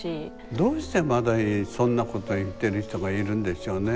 どうしてまだそんなこと言ってる人がいるんでしょうね。